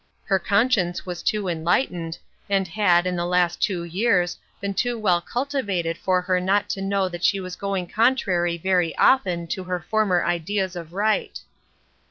Her conscience was too enlightened, and had, in the last two years, been too well cultivated for her not to know that she was going contrary very often to her former ideas of right.